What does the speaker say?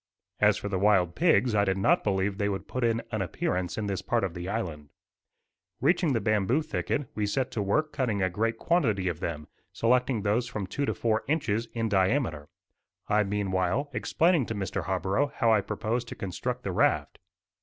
As for the wild pigs, I did not believe they would put in an appearance in this part of the island. Reaching the bamboo thicket, we set to work cutting a great quantity of them, selecting those from two to four inches in diameter, I, meanwhile, explaining to Mr. Harborough how I proposed to construct the raft.